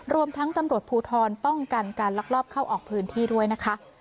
รวมทั้งตำรวจภูทรป้องกันการลักลอบเข้าออกพื้นที่ด้วยนะคะ